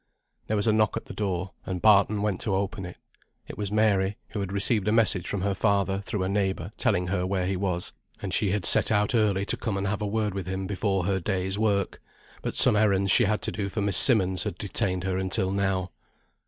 There was a knock at the door, and Barton went to open it. It was Mary, who had received a message from her father, through a neighbour, telling her where he was; and she had set out early to come and have a word with him before her day's work; but some errands she had to do for Miss Simmonds had detained her until now.